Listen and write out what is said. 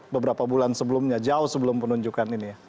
beberapa bulan sebelumnya jauh sebelum penunjukan ini ya